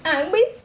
à em biết